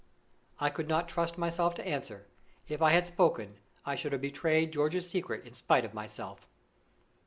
I could not trust myself to answer. If I had spoken, I should have betrayed George's secret in spite of myself.